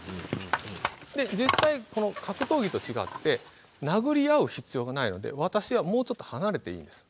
で実際この格闘技と違って殴り合う必要がないので私はもうちょっと離れていいんです。